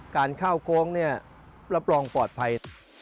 การเข้าโค้งเนี่ยรับรองปลอดภัย